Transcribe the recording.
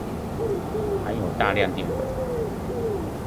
含有大量澱粉